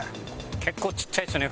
結構ちっちゃいですよね